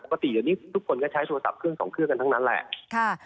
ปกติเดี๋ยวนี้ทุกคนก็ใช้โทรศัพท์เครื่องสองเครื่องกันทั้งนั้นแหละ